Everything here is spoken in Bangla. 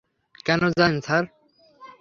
কেন জানেন, স্যার?